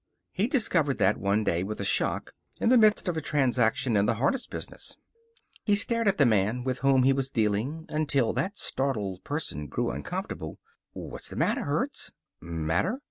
He discovered that one day, with a shock, in the midst of a transaction in the harness business. He stared at the man with whom he was dealing until that startled person grew uncomfortable. "What's the matter, Hertz?" "Matter?"